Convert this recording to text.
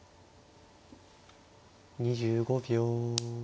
２５秒。